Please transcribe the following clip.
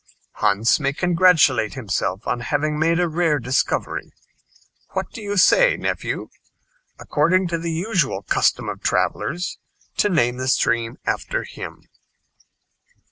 Hans may congratulate himself on having made a rare discovery. What do you say, nephew, according to the usual custom of travelers, to name the stream after him?"